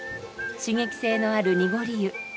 刺激性のある濁り湯。